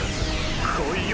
来いよ